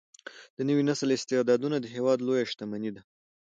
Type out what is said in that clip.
د نوي نسل استعدادونه د هیواد لویه شتمني ده.